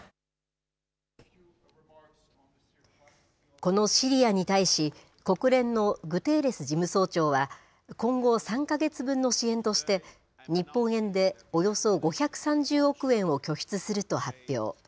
このシリアに対し、国連のグテーレス事務総長は、今後３か月分の支援として、日本円でおよそ５３０億円を拠出すると発表。